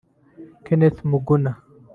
Kenneth Muguna